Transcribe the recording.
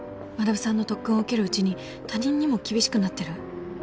学さんの特訓を受けるうちに他人にも厳しくなってる？